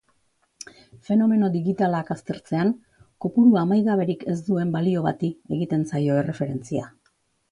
Fenomeno digitalak aztertzean, kopuru amaigaberik ez duen balio bati egiten zaio erreferentzia.